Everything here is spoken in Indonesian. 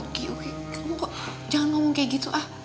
oki oki kamu kok jangan ngomong kayak gitu ah